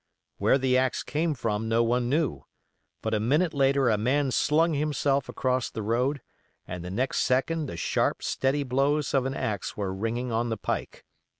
Where the axe came from no one knew; but a minute later a man slung himself across the road, and the next second the sharp, steady blows of an axe were ringing on the pike.